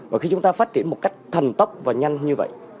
và khi chúng ta phát triển một cách thành tốc và nhanh như vậy